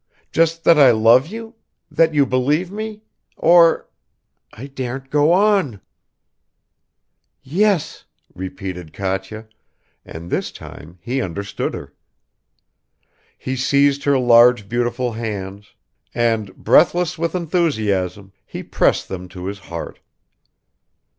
Just that I love you, that you believe me ... or ... I daren't go on .." "Yes," repeated Katya, and this time he understood her. He seized her large beautiful hands and, breathless with enthusiasm, he pressed them to his heart.